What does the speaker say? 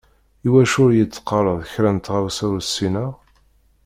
Iwacu ur yi-d-teqqareḍ kra n tɣawsa ur ssineɣ?